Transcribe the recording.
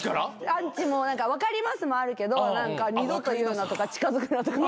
アンチも分かりますもあるけど二度と言うなとか近づくなとか。